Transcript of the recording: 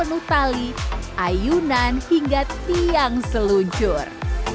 sehingga setiap kali ayunan hingga tiang seluncur